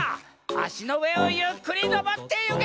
あしのうえをゆっくりのぼってゆけ！